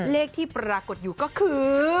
เลขที่ปรากฏอยู่ก็คือ